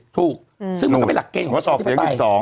ถูกอืมซึ่งมันก็เป็นหลักเก่งของประชาธิปไตยออกเสียงสิบสอง